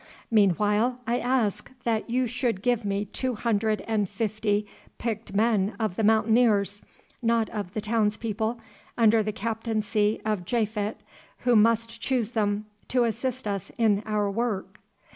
Meanwhile, I ask that you should give me two hundred and fifty picked men of the Mountaineers, not of the townspeople, under the captaincy of Japhet, who must choose them, to assist us in our work."